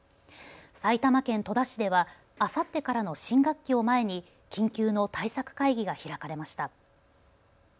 埼玉県戸田市ではあさってからの新学期を前に緊急の対策会議が開かれました。